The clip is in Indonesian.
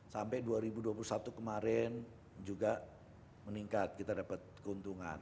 sampai dua ribu dua puluh satu kemarin juga meningkat kita dapat keuntungan